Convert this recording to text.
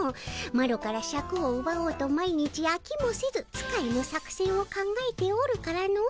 マロからシャクをうばおうと毎日あきもせず使えぬ作せんを考えておるからの。